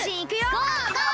ゴー！